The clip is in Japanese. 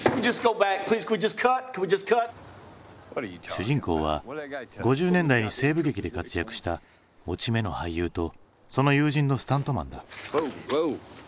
主人公は５０年代に西部劇で活躍した落ち目の俳優とその友人のスタントマンだ。